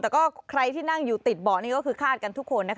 แต่ก็ใครที่นั่งอยู่ติดเบาะนี่ก็คือคาดกันทุกคนนะคะ